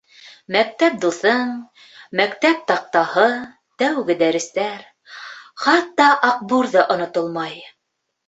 Мәктәп дуҫың, мәктәп таҡтаһы, тәүге дәрестәр, хатта аҡбур ҙа онотолмай